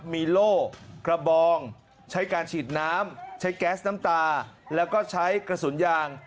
มีโล่กระบองใช้การฉีดน้ำใช้แก๊สน้ำตาแล้วก็ใช้กระสุนยาง